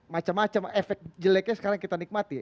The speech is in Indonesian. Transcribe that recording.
macam macam efek jeleknya sekarang kita nikmati